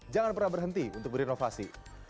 jangan pernah berhenti untuk berinovasi